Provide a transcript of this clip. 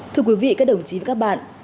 thưa quý vị các đồng chí và các bạn